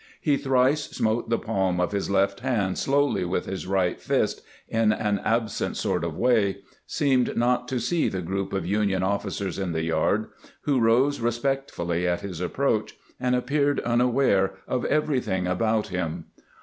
He thrice smote the palm of his left hand slowly with his right fist in an absent sort of way, seemed not to see the group of Union officers in the yard, who rose respectfully at his approach, and appeared unaware of everything about 485 486 CAMPAIGNING WITH GEANT him.